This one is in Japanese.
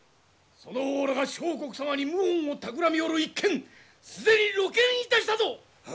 その方らが相国様に謀反をたくらみおる一件既に露見いたしたぞ！